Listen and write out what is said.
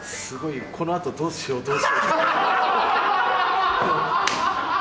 すごいこのあとどうしようどうしよう。